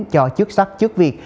cho chức sách chức việc